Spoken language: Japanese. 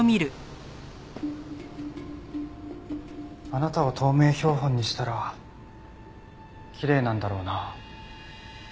あなたを透明標本にしたらきれいなんだろうな。